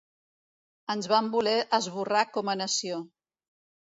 Ens van voler esborrar com a nació.